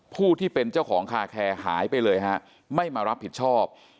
ผู้ที่เป็นเจ้าของคาแคร์หายไปเลยฮะไม่มารับผิดชอบ